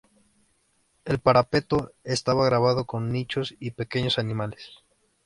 El parapeto está grabado con nichos y pequeños animales.